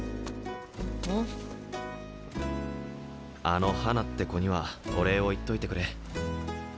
あの花って子にはお礼を言っといてくれ。